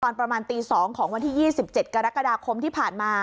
ตอนประมาณตี๒ของวันที่๒๗กรกฎาคมที่ผ่านมา